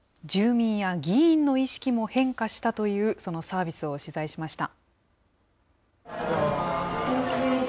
住民や議員の意識も変化したという、そのサービスを取材しました。